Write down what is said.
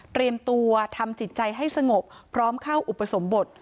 ตัวทำจิตใจให้สงบพร้อมเข้าอุปสมบท